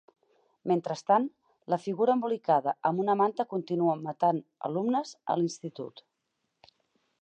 Mentrestant, la figura embolicada amb una manta continua matant alumnes a l'institut.